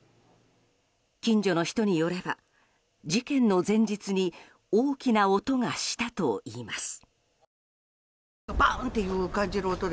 近所の人によれば事件の前日に大きな音がしたといいます。